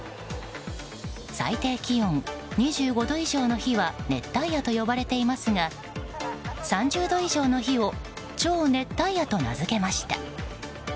最低気温２５度以上の日は熱帯夜と呼ばれていますが３０度以上の日を超熱帯夜と名付けました。